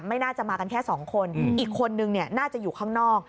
น่าจะมากันแค่สองคนอีกคนนึงเนี่ยน่าจะอยู่ข้างนอก